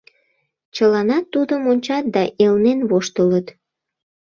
Чыланат тудым ончат да элнен воштылыт.